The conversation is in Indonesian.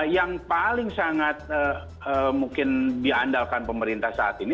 yang paling sangat mungkin diandalkan pemerintah saat ini